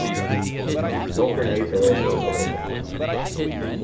Smoke grenades are also available.